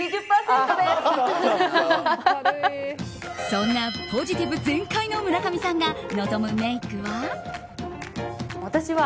そんなポジティブ全開の村上さんが望むメイクは。